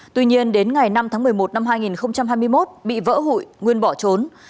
tuy nhiên đến ngày năm tháng một mươi một năm hai nghìn hai mươi một bị vỡ hụi nguyên bỏ trốn